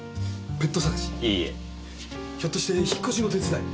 ひょっとして引っ越しの手伝い？